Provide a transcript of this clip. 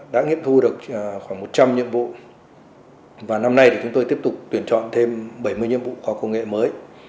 đã nghiệp thu được khoảng một trăm linh nhiệm vụ và năm nay thì chúng tôi tiếp tục tuyển chọn thêm bảy mươi nhiệm vụ khoa công nghệ mới